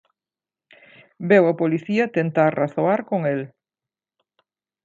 Veu a policía tentar razoar con el.